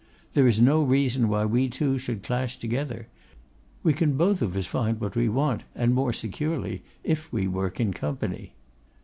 There is no reason why we two should clash together: we can both of us find what we want, and more securely if we work in company.